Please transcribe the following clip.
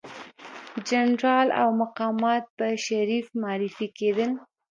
جنرالان او مقامات به شریف معرفي کېدل.